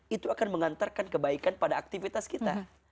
itu akan mengantarkan kebaikan pada aktivitas kita